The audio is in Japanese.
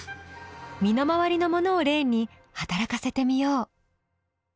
身の回りのものを例に働かせてみよう。